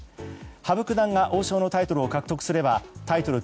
羽生九段が王将のタイトルを獲得すればタイトル